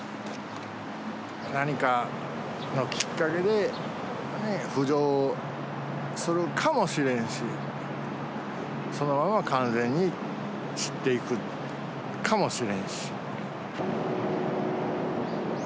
何かのきっかけで、浮上するかもしれんし、そのまま完全に散っていくかもしれんし。